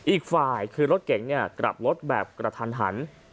อีกฝ่ายคือรถเก๋งกลับรถแบบกระทันหัน